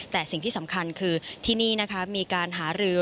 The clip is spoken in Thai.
แต่สิ่งที่สำคัญคือที่นี่นะคะมีการหารือ